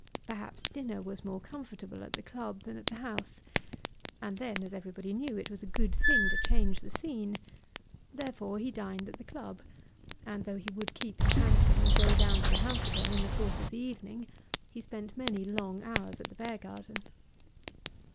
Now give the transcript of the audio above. Perhaps dinner was more comfortable at the club than at the House. And then, as everybody knew, it was a good thing to change the scene. Therefore he dined at the club, and though he would keep his hansom and go down to the House again in the course of the evening, he spent many long hours at the Beargarden.